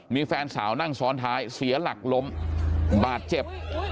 มีแฟนสาวนั่งซ้อนท้ายเสียหลักล้มบาดเจ็บ